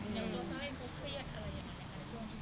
ตัวความเครียดอะไรอยู่ในการการช่วงชีวิต